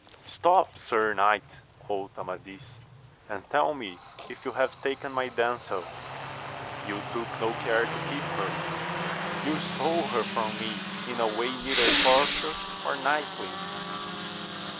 Stop, sir knight, quoth Amadis, and tell me if you have taken my damsel ?— You took no care to keep her. — ^You stole her from me in a way neither courteous nor knightly.